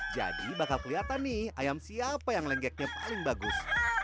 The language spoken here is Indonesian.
jadi bakal kelihatan nih ayam siapa yang lenggeknya paling bagus